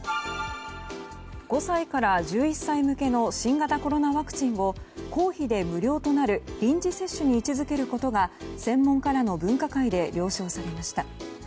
５歳から１１歳向けの新型コロナワクチンを公費で無料となる臨時接種に位置付けることが専門家らの分科会で了承されました。